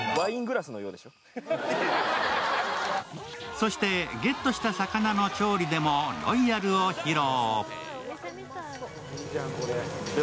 そして、ゲットした魚の調理でもロイヤルを披露。